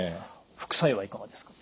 副作用はいかがですか？